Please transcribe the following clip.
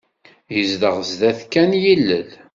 Yezdeɣ sdat kan yilel.